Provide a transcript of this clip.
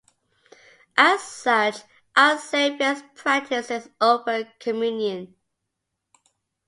As such, Our Savior's practices open communion.